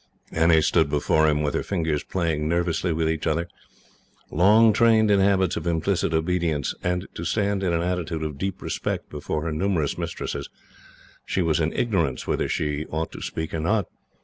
Annie stood before him, with her fingers playing nervously with each other. Long trained in habits of implicit obedience, and to stand in an attitude of deep respect before her numerous mistresses, she was in ignorance whether she ought to speak or not.